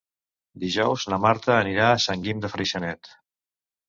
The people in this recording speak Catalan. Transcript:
Dijous na Marta anirà a Sant Guim de Freixenet.